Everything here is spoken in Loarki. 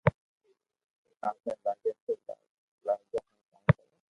آپ ني لاگي تو لاگو ھون ڪاو ڪرو